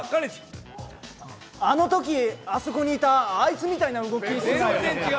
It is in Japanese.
あのとき、あそこにいたあいつみたいな動きしてる！